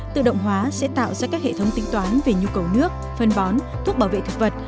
tự động hóa sẽ tạo ra các hệ thống tính toán về nhu cầu nước phân bón thuốc bảo vệ thực vật